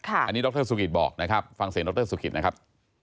อันนี้ดรสุกิตบอกนะครับฟังเสียงดรสุกิตนะครับ